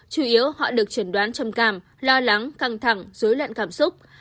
chủ yếu họ được chẩn đoán trầm cảm lo lắng căng thẳng dối loạn cảm xúc